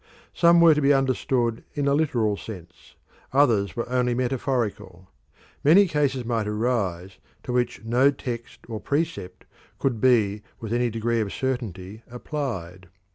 Some were to be understood in a literal sense, others were only metaphorical. Many cases might arise to which no text or precept could be with any degree of certainty applied.